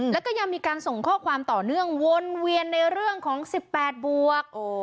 แล้วก็ยังมีการส่งข้อความต่อเนื่องวนเวียนในเรื่องของ๑๘บวก